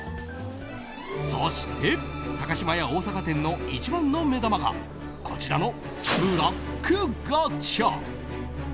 そして、高島屋大阪店の一番の目玉がこちらのブラックガチャ。